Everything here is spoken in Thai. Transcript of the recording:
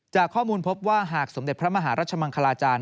จากข้อมูลพบว่าหากสมเด็จพระมหารัชมังคลาจารย